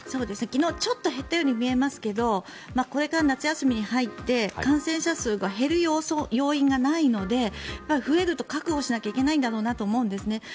昨日はちょっと減ったように見えますけどこれから夏休みに入って感染者数が減る要因がないので増えると覚悟しなきゃいけないんだろうなと思うんです。